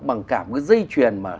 bằng cả một cái dây chuyền mà